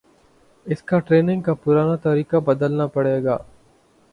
اس کا ٹریننگ کا پرانا طریقہ بدلنا پڑے گا